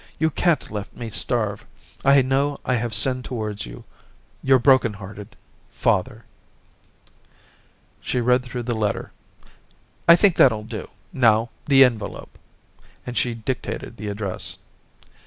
You can't let me starve. ... I know I have sinned towards you. — Your broken hearted ... Father/ She read through the letter. 'I think that'll do; now the envelope,* and she dic tated the address.